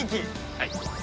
はい。